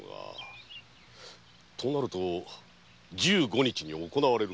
となると十五日に行われる閣議。